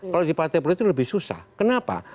kalau di partai politik lebih susah kenapa